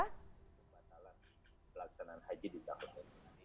kepala pelaksanaan haji ditakutkan